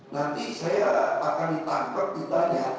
nanti saya akan ditangkap ditanya